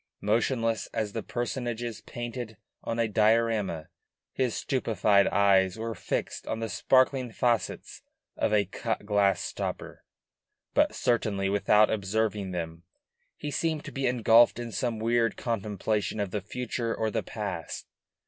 Motionless as the personages painted on a diorama, his stupefied eyes were fixed on the sparkling facets of a cut glass stopper, but certainly without observing them; he seemed to be engulfed in some weird contemplation of the future or the past.